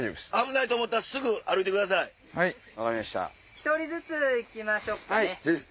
１人ずつ行きましょうかね。